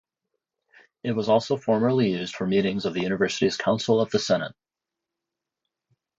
It was also formerly used for meetings of the University's Council of the Senate.